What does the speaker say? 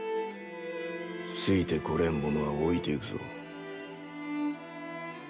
ついてこれん者は置いてゆくぞ。